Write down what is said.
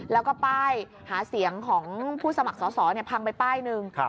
แล้วก็ป้ายหาเสียงของผู้สมัครสอสอพังไปป้ายหนึ่ง